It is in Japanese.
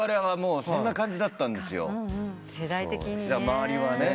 周りはね